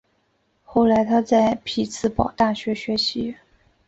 后来他在匹兹堡大学学习。